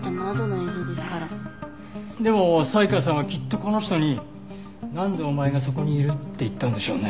でも才川さんはきっとこの人に「なんでお前がそこにいる」って言ったんでしょうね。